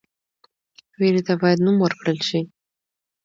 ویرې ته باید نوم ورکړل شي.